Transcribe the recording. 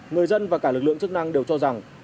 người dân và cả lực lượng chức năng đều cho rằng